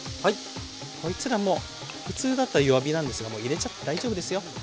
こいつらも普通だと弱火なんですがもう入れちゃって大丈夫ですよ。